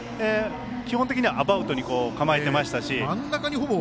基本的にはアバウトに構えてましたし。